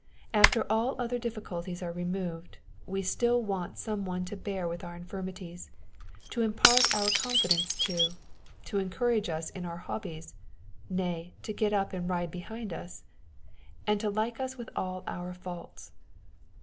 After all other difficulties are removed, we still want some one to bear with our infirmi ties, to impart our confidence to, to encourage us in our hobbies (nay, to get up and ride behind us), and to like us with all our faults.